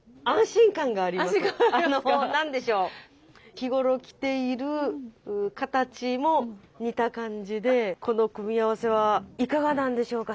日頃着ている形も似た感じでこの組み合わせはいかがなんでしょうか？